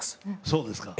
そうですか？